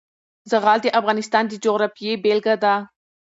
زغال د افغانستان د جغرافیې بېلګه ده.